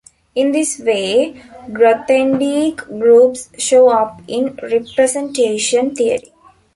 In this way Grothendieck groups show up in representation theory.